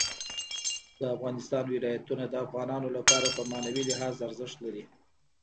د افغانستان ولايتونه د افغانانو لپاره په معنوي لحاظ ارزښت لري.